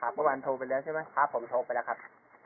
เมื่อวานโทรไปแล้วใช่ไหมครับผมโทรไปแล้วครับ